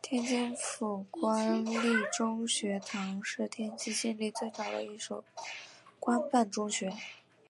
天津府官立中学堂是天津建立最早的一所官办中学。